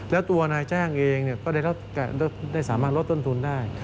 แล้วตัวนายจ้างเองก็ได้สามารถลดต้นทุนได้